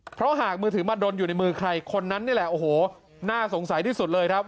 เพราะหากมือถือมาดนอยู่ในมือใครคนนั้นนี่แหละโอ้โหน่าสงสัยที่สุดเลยครับ